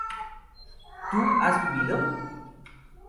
¿tú has vivido?